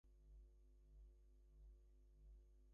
She had sat looking at a book.